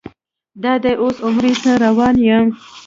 دادی اوس عمرې ته روان یم.